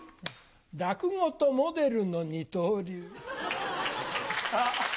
落語とモデルの二刀流。